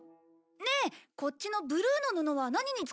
ねえこっちのブルーの布は何に使うの？